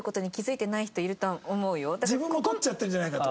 自分も撮っちゃってるんじゃないかと。